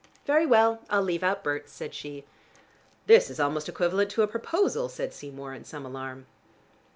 "Very well: I'll leave out Berts," said she. "This is almost equivalent to a proposal," said Seymour in some alarm.